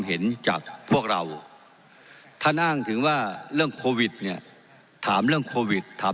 เห็นจากพวกเราท่านอ้างถึงว่าเรื่องเนี้ยถามเรื่องถาม